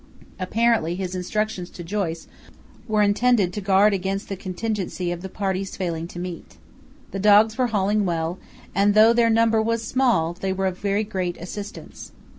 Apparently his instructions to Joyce were intended to guard against the contingency of the parties failing to meet. The dogs were hauling well, and though their number was small they were of very great assistance.